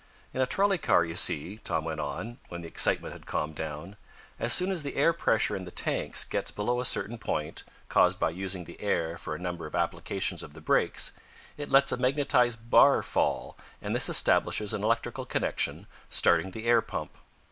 "In a trolley car, you see," Tom went on, when the excitement had calmed down, "as soon as the air pressure in the tanks gets below a certain point, caused by using the air for a number of applications of the brakes, it lets a magnetized bar fall, and this establishes an electrical connection, starting the air pump.